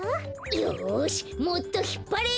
よしもっとひっぱれ！